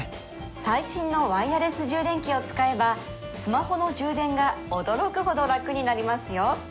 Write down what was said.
最新のワイヤレス充電器を使えばスマホの充電が驚くほど楽になりますよ